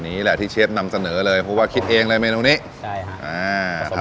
นี่แหละที่เชฟนำเสนอเลยเพราะว่าคิดเองเลยเมนูนี้ใช่ค่ะอ่า